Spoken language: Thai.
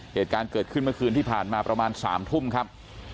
เหตุการณ์เกิดขึ้นเมื่อคืนที่ผ่านมาประมาณ๓ทุ่มครับ